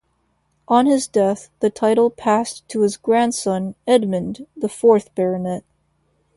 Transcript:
On his death, the title passed to his grandson, Edmund, the fourth Baronet.